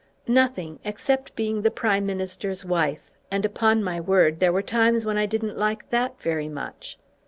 "Nothing; except being the Prime Minister's wife; and upon my word there were times when I didn't like that very much.